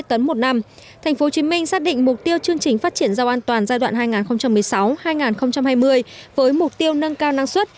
thành một xác định mục tiêu chương trình phát triển rau an toàn giai đoạn hai nghìn một mươi sáu hai nghìn hai mươi với mục tiêu nâng cao năng suất